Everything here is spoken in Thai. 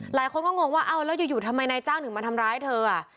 หลายคนก็งงว่าเอาแล้วอยู่ทำไมนายจ้างถึงมาทำร้ายเธอ